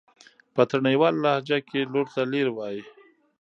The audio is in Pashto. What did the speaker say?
په تڼيواله لهجه کې لور ته لير وايي.